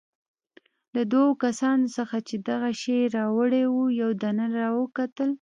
له دوو کسانو څخه چې دغه شی يې راوړی وو، یو دننه راوکتل.